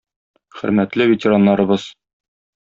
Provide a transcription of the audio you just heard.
Хөрмәтле ветераннарыбыз!